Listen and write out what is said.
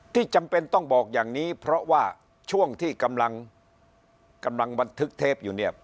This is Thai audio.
จำเป็นต้องบอกอย่างนี้เพราะว่าช่วงที่กำลังบันทึกเทปอยู่เนี่ย